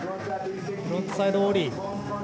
フロントサイドオーリー。